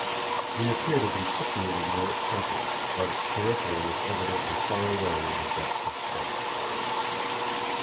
We appear to be situated near its center, but its periphery is evidently far away in the depths of space.